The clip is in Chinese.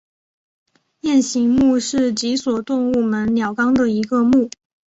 雁形目是脊索动物门鸟纲的一个目。